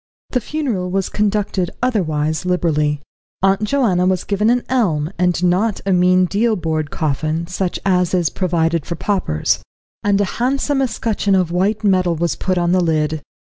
The funeral was conducted, otherwise, liberally. Aunt Joanna was given an elm, and not a mean deal board coffin, such as is provided for paupers; and a handsome escutcheon of white metal was put on the lid.